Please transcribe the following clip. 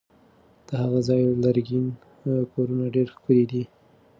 د هغه ځای لرګین کورونه ډېر ښکلي دي.